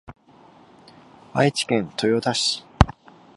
愛知県豊田市